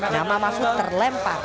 nama mahfud terlempar